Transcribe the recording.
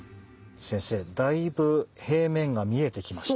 先生だいぶ平面が見えてきました。